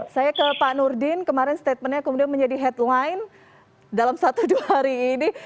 saya ke pak nurdin kemarin statementnya kemudian menjadi headline dalam satu dua hari ini